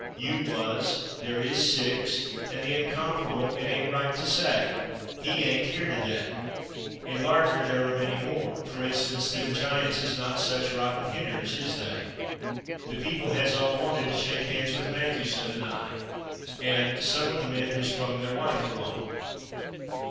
"you /was/," "there /is/ six" and the incomparable "it /ain't/ right to say, 'He /ain't/ here today.'" In Lardner there are many more, for instance, "them Giants is not such rotten hitters, /is/ they?" "the people /has/ all wanted to shake hands with Matthewson and I" and "some of the men /has/ [Pg211] brung their wife along."